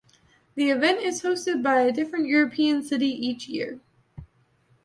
The event is hosted by a different European city each year.